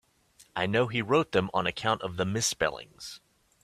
I know he wrote them on account of the misspellings.